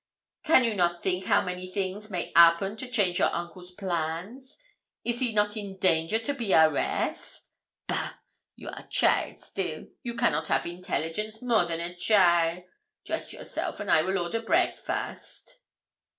Can you not think how many things may 'appen to change a your uncle's plans? Is he not in danger to be arrest? Bah! You are cheaile still; you cannot have intelligence more than a cheaile. Dress yourself, and I will order breakfast.'